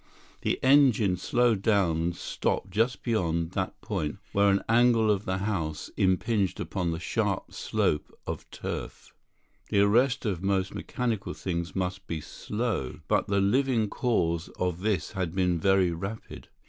The engine slowed down and stopped just beyond that point where an angle of the house impinged upon the sharp slope of turf. The arrest of most mechanical things must be slow; but the living cause of this had been very rapid.